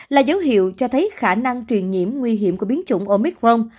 là dấu hiệu cho thấy khả năng truyền nhiễm nguy hiểm của biến chủng omicron